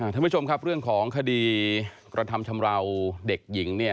ท่านผู้ชมครับเรื่องของคดีกระทำชำราวเด็กหญิง